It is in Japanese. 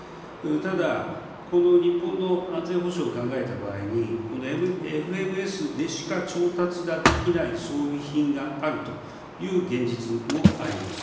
ただ、この日本の安全保障を考えた場合に、ＦＭＳでしか調達ができない装備品があるという現実もあります。